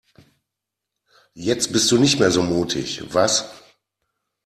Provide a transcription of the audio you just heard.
Jetzt bist du nicht mehr so mutig, was?